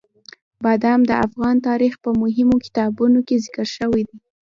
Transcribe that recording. بادام د افغان تاریخ په مهمو کتابونو کې ذکر شوي دي.